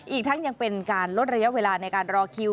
อีกทั้งยังเป็นการลดระยะเวลาในการรอคิว